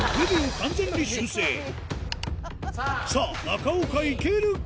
さぁ中岡いけるか？